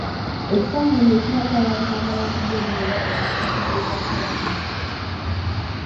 Ekifaananyi ekiraga aba Buganda Land Board nga balambula ettaka ly'Obwakabaka.